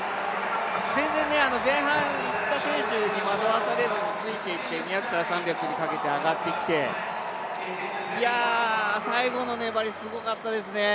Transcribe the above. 全然、前半いった選手に惑わされずについて行って２００ｍから３００ｍにかけて上がってきて、最後の粘りすごかったですね。